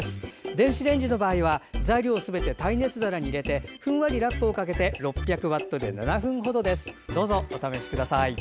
電子レンジの場合は材料をすべて耐熱皿に入れてふんわりラップをかけて６００ワットで７分程です。